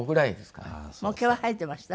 もう毛は生えていました？